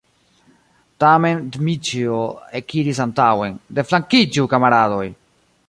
Tiam Dmiĉjo ekiris antaŭen: "deflankiĝu, kamaradoj!"